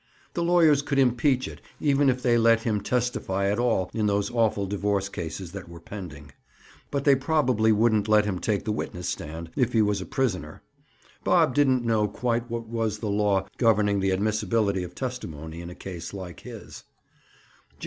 The lawyers could impeach it even if they let him (Bob) testify at all in those awful divorce cases that were pending. But they probably wouldn't let him take the witness stand if he was a prisoner. Bob didn't know quite what was the law governing the admissibility of testimony in a case like his.